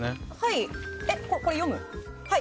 え、これ読む？